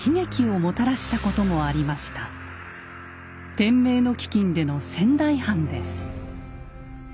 天明の飢饉での仙台藩です。